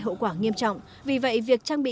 hậu quả nghiêm trọng vì vậy việc trang bị